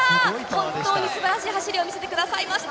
本当にすばらしい走りを見せてくださいました。